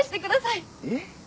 えっ？